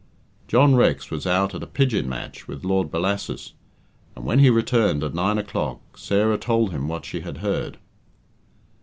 John Rex was out at a pigeon match with Lord Bellasis, and when he returned, at nine o'clock, Sarah told him what she had heard.